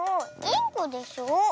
インコでしょ。